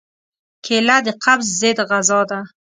کېله د قبض ضد غذا ده.